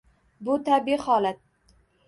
Bu – tabiiy holat.